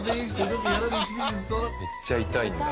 めっちゃ痛いんだ。